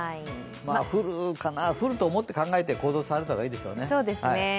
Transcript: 降るかな、降ると思って考えて行動された方がいいですね。